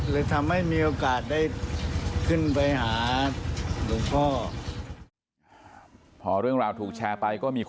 เลยทำให้มีโอกาสได้ขึ้นไปหาหลวงพ่อ